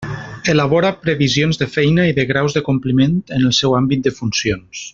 Elabora previsions de feina i de graus de compliment, en el seu àmbit de funcions.